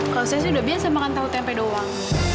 kalau saya sih udah biasa makan tahu tempe doang